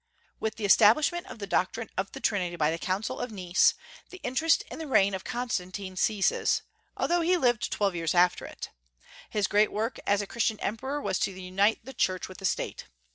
With the establishment of the doctrine of the Trinity by the Council of Nice, the interest in the reign of Constantine ceases, although he lived twelve years after it. His great work as a Christian emperor was to unite the Church with the State.